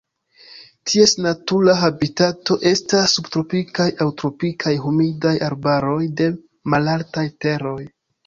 Ties natura habitato estas subtropikaj aŭ tropikaj humidaj arbaroj de malaltaj teroj.